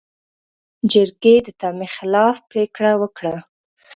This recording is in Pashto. جرګې د تمې خلاف پرېکړه وکړه.